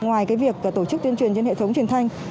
ngoài việc tổ chức tuyên truyền trên hệ thống truyền thanh